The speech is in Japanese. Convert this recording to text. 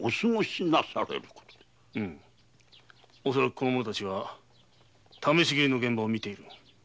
この者たちは試し斬りの現場を見ている。